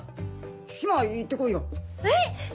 ヒマ行ってこいよ。えっ！？